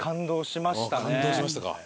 感動しましたか。